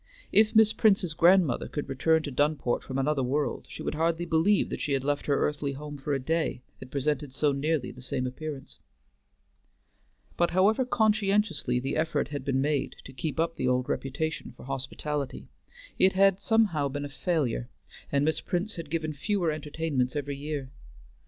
If Miss Prince's grandmother could return to Dunport from another world, she would hardly believe that she had left her earthly home for a day, it presented so nearly the same appearance. But however conscientiously the effort had been made to keep up the old reputation for hospitality, it had somehow been a failure, and Miss Prince had given fewer entertainments every year.